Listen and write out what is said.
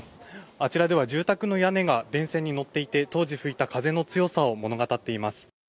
あちらでは住宅の屋根が電線にのっていて当時の風の強さを物語っています。